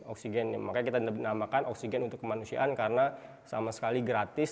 oksigen makanya kita namakan oksigen untuk kemanusiaan karena sama sekali gratis